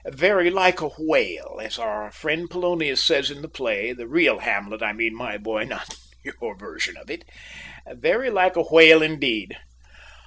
"`Very like a whale,' as our old friend Polonius says in the play, the real Hamlet, I mean, my boy, not your version of it. `Very like a whale,' indeed!"